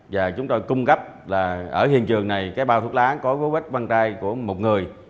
và chúng tôi cung cấp là ở hiện trường này cái bao thuốc lá có dấu vết văn tai của một người